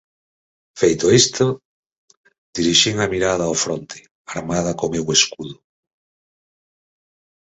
Feito isto, dirixín a mirada ao fronte, armada co meu escudo.